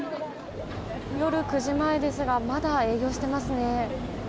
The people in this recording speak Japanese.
夜９時前ですがまだ営業してますね。